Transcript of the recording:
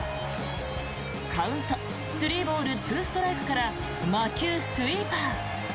カウント３ボール２ストライクから魔球スイーパー。